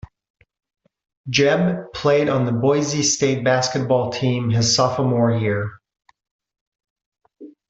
Jeb played on the Boise State basketball team his sophomore year.